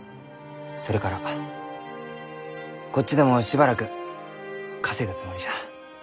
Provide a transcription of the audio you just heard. それからこっちでもしばらく稼ぐつもりじゃ。